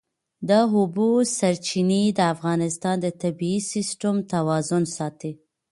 د اوبو سرچینې د افغانستان د طبعي سیسټم توازن ساتي.